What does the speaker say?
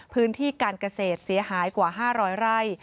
พื้นที่การเกษตรเสียหายกว่า๕๐๐ไร่